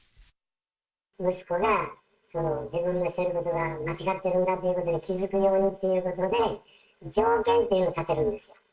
息子が、自分のしていることが間違ってるんだということに気付くようにということで、条件というのを立てるんですよ。